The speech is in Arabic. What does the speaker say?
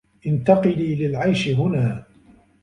انتقلي للعيش هنا.